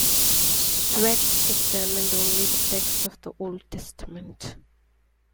Swete examined only the text of the Old Testament.